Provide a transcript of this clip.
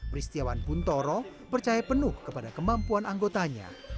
pristiawan buntoro percaya penuh kepada kemampuan anggotanya